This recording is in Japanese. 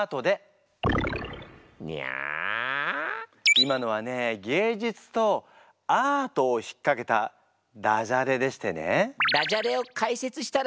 今のはね芸術とアートを引っかけたダジャレでしてね。